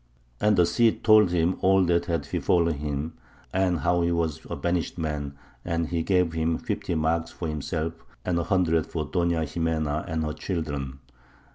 And the Cid told him all that had befallen him, and how he was a banished man; and he gave him fifty marks for himself, and a hundred for Doña Ximena and her children.